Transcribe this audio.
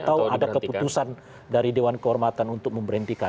atau ada keputusan dari dewan kehormatan untuk memberhentikan